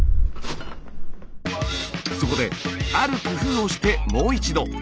そこで「ある工夫」をしてもう一度。